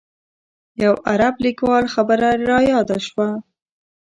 یو عرب لیکوال خبره رایاده شوه.